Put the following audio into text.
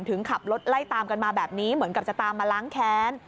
ขับรถไล่ตามกันมาแบบนี้เหมือนกับจะตามมาล้างแค้น